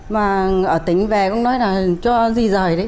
mà ở tính về cũng nói là cho gì rời đấy